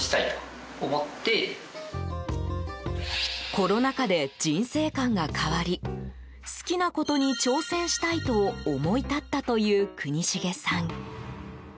コロナ禍で人生観が変わり好きなことに挑戦したいと思い立ったという国重さん。